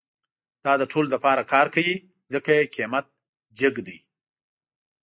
دا د ټولو لپاره کار کوي، ځکه یې قیمت جیګ ده